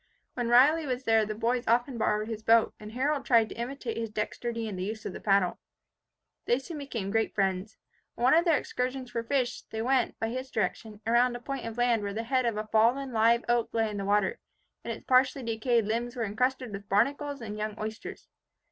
While Riley was there the boys often borrowed his boat, and Harold tried to imitate his dexterity in the use of the paddle. They soon became great friends. On one of their excursions for fish, they went, by his direction, around a point of land where the head of a fallen live oak lay in the water, and its partially decayed limbs were encrusted with barnacles and young oysters.